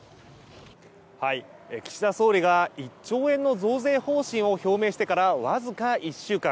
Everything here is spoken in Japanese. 岸田総理が１兆円の増税方針を表明してからわずか１週間。